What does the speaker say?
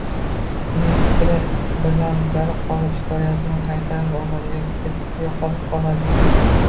uning fikri birdan o‘zgarib qolib, shikoyatini qaytarib oladi yoki izsiz “yo‘qolib” qoladi.